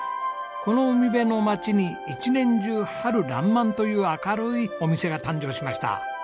この海辺の街に一年中春爛漫という明るいお店が誕生しました。